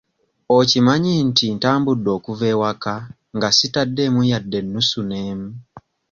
Okimanyi nti ntambudde okuva ewaka nga sitaddeemu yadde nnusu n'emu?